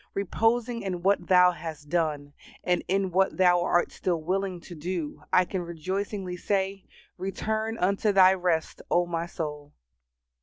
Reposing in what Thou has done, and in what Thou art still willing to do, I can rejoicingly say, "Return unto thy rest, O my soul."